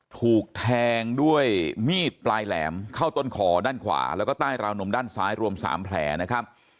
ถูกแทงด้วยมีดปลายแหลมเข้าต้นคอด้านขวาแล้วก็ใต้ราวนมด้านซ้ายรวม๓แผลนะครับ